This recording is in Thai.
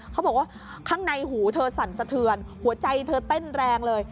เขาบอกว่าข้างในหูเธอสั่นสะเทือนหัวใจเธอเต้นแรงเลย